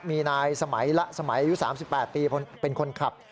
มีนายสมัยละสมัยอายุ๓๘ปีเป็นคนขับ